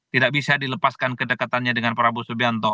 tidak bisa dilepaskan kedekatannya dengan prabowo subianto